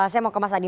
saya mau ke mas adi